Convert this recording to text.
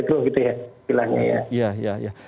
itu gitu ya pilihannya ya